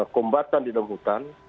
kombatan di dalam hutan